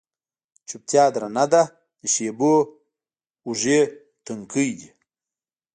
چوپتیا درنه ده د شېبو اوږې، تنکۍ دی